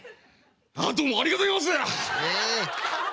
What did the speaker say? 「何ともありがとうございます！